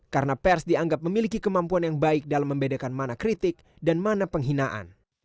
karena pers dianggap memiliki kemampuan yang baik dalam membedakan mana kritik dan mana penghinaan